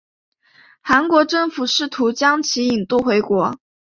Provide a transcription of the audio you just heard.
韩国政府试图将其引渡回国。